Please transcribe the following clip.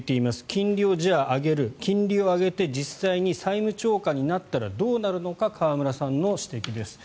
金利をじゃあ上げる金利を上げて実際に債務超過になったらどうなるのか河村さんの指摘です。